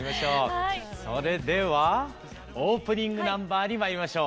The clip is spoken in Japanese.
それではオープニングナンバーにまいりましょう。